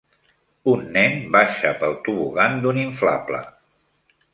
Un nen baixa pel tobogan d'un inflable.